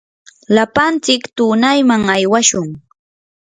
lapantsik tunayman aywashun.